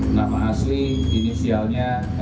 nama asli inisialnya